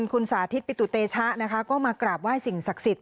คุณสาธิตปิตุเตชะนะคะก็มากราบไหว้สิ่งศักดิ์สิทธิ